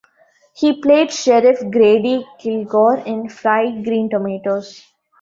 He played Sheriff Grady Kilgore in "Fried Green Tomatoes".